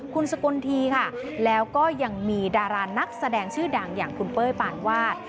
คุณสกลทีค่ะแล้วก็ยังมีดารานักแสดงชื่อดังอย่างคุณเป้ยปานวาด